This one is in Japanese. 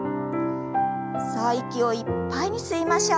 さあ息をいっぱいに吸いましょう。